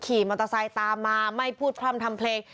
ขี่มอเตอร์ไซค์ตามมาไม่พูดพร่ำทำเพลง